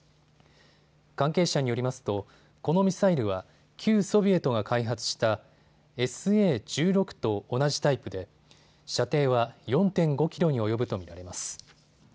関係者によりますとこのミサイルは旧ソビエトが開発したＳＡ―１６と同じタイプで射程は４．５キロに及ぶと見られます。